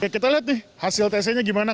kita lihat nih hasil tesnya gimana